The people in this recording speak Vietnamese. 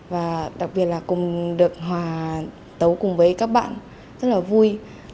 và đặc biệt là cùng được hòa tấu cùng với các bạn rất là vui